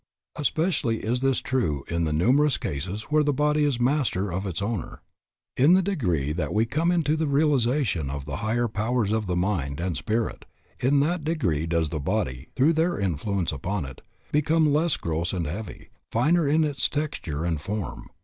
Especially is this true in the numerous cases where the body is master of its owner. In the degree that we come into the realization of the higher powers of the mind and spirit, in that degree does the body, through their influence upon it, become less gross and heavy, finer in its texture and form.